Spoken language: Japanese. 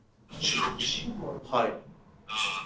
はい。